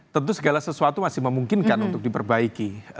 tentu segala sesuatu masih memungkinkan untuk diperbaiki